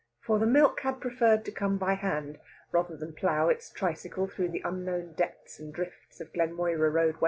For the milk had preferred to come by hand, rather than plough its tricycle through the unknown depths and drifts of Glenmoira Road, W.